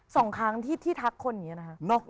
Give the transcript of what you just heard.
สองครั้งที่ทักคนอย่างนี้นะคะ